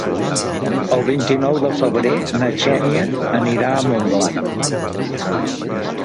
El vint-i-nou de febrer na Xènia anirà a Montblanc.